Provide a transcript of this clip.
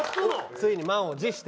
ついに満を持して。